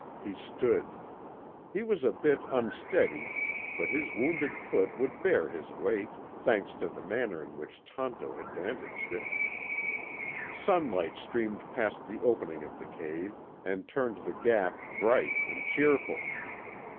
He stood. He was a bit unsteady, but his wounded foot would bear his weight, thanks to the manner in which Tonto had bandaged it. Sunlight streamed past the opening of the cave and turned the Gap bright and cheerful.